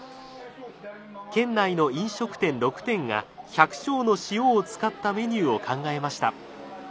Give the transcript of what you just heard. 県内の飲食店６店が百笑の塩を使ったメニューを考えました。